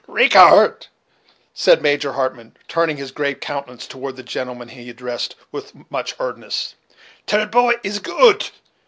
"Richart," said Major Hartmann, turning his grave countenance toward the gentleman he addressed, with much earnestness, "ter poy is goot.